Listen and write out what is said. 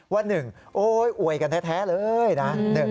ว่า๑โอ๊ยอวยกันแท้เลยนะ